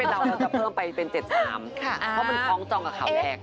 หรือท้องจองกับข่าวแหลก